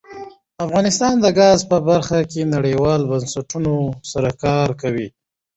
افغانستان د ګاز په برخه کې نړیوالو بنسټونو سره کار کوي.